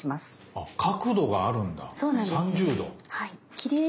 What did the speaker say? あ角度があるんだ３０°。